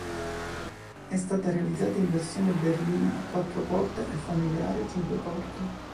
È stata realizzata in versione berlina quattro porte e familiare cinque porte.